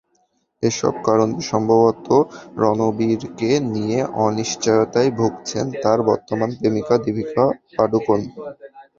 এসব কারণে সম্ভবত রণবীরকে নিয়ে অনিশ্চয়তায় ভুগছেন তাঁর বর্তমান প্রেমিকা দীপিকা পাড়ুকোন।